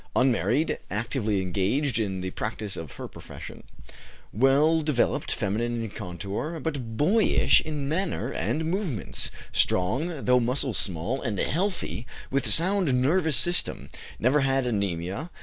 Unmarried, actively engaged in the practice of her profession. Well developed, feminine in contour, but boyish in manner and movements; strong, though muscles small, and healthy, with sound nervous system; never had anæmia.